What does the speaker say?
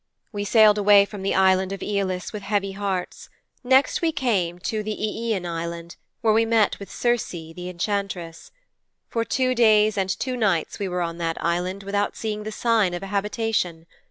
We sailed away from the Island of Æolus with heavy hearts. Next we came to the Æean Island, where we met with Circe, the Enchantress. For two days and two nights we were on that island without seeing the sign of a habitation.